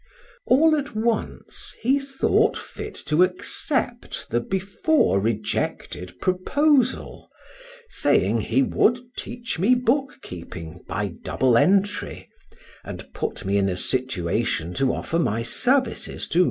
All at once he thought fit to accept the before rejected proposal, saying, he would teach me bookkeeping, by double entry, and put me in a situation to offer my services to M.